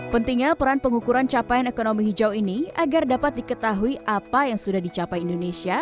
pentingnya peran pengukuran capaian ekonomi hijau ini agar dapat diketahui apa yang sudah dicapai indonesia